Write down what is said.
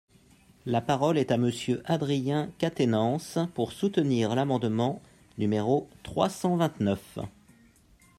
La parole est à Monsieur Adrien Quatennens, pour soutenir l’amendement numéro trois cent vingt-neuf.